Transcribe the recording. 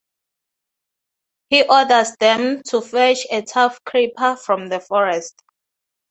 He orders them to fetch a tough creeper from the forest.